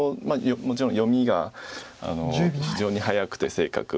もちろん読みが非常に早くて正確。